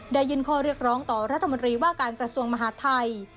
ยื่นข้อเรียกร้องต่อรัฐมนตรีว่าการกระทรวงมหาทัย